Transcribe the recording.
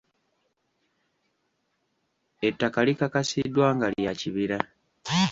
Ettaka likakasiddwa nga lya kibira.